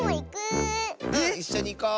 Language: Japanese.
⁉いっしょにいこう。